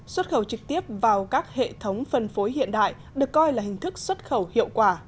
xuất khẩu trực tiếp vào các hệ thống phân phối hiện đại được coi là hình thức xuất khẩu hiệu quả